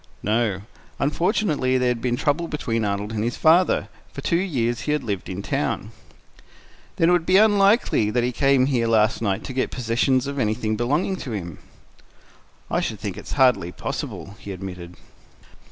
"No. Unfortunately, there had been trouble between Arnold and his father. For two years he had lived in town." "Then it would be unlikely that he came here last night to get possession of anything belonging to him?" "I should think it hardly possible," he admitted.